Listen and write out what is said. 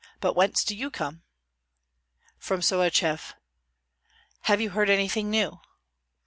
But whence do you come?" "From Sohachev." "Have you heard anything new?"